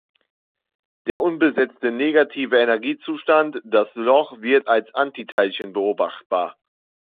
Der unbesetzte negative Energiezustand, das Loch, wird als Antiteilchen beobachtbar.